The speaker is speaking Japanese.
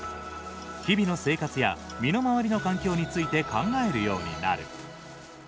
日々の生活や身の回りの環境について考えるようになる。